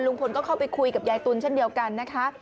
ลุงพลก็เข้าไปคุยกับยายตุลเช่นเดียวกันนะคะ